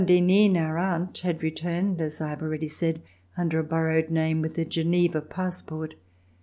d'Henin, our aunt, had returned as 1 have already said under a borrowed name with a Geneva passport.